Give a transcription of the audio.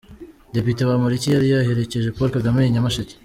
Depite Bamporiki yari yaherekeje Paul Kagame i Nyamasheke.